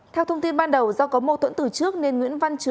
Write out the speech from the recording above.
theo thông tin ban đầu do có mâu thuẫn từ trước nên nguyễn văn trứ